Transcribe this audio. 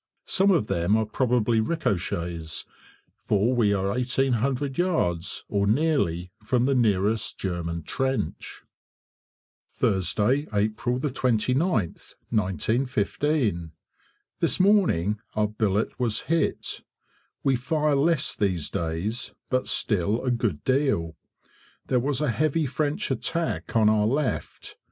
Some of them are probably ricochets, for we are 1800 yards, or nearly, from the nearest German trench. Thursday, April 29th, 1915. This morning our billet was hit. We fire less these days, but still a good deal. There was a heavy French attack on our left.